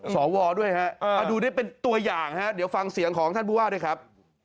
ด้วยฮะดูได้เป็นตัวอย่างฮะเดี๋ยวฟังเสียงของท่านผู้ว่าด้วยครับ